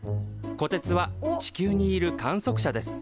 こてつは地球にいる観測者です。